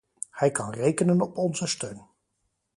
Hij kan rekenen op onze steun.